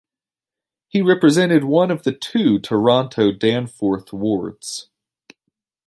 He represented one of the two Toronto-Danforth wards.